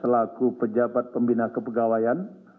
selaku pejabat pembina kepegawaian